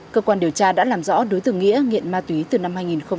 cơ quan điều tra đã làm rõ đối tượng nghĩa nghiện ma túy từ năm hai nghìn một mươi